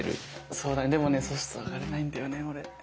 そうだよねでもねそうするとあがれないんだよね俺。